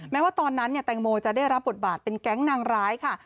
แม้ว่าตอนนั้นแตงโมจะได้รับบทบาทเป็นแก๊งนางร้ายค่ะ